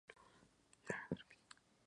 Fue producido por Esteban Pesce.